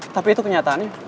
tapi itu kenyataannya